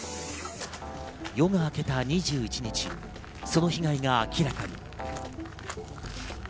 夜があけた２１日、その被害が明らかに。